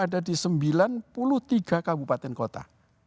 dan puluh tiga kabupaten kota